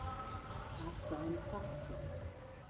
Tag sein Fasten.